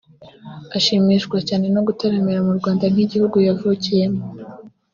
ashimishwa cyane no gutaramira mu Rwanda nk’igihugu yavukiyemo